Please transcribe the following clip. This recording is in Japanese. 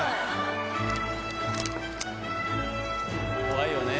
怖いよね。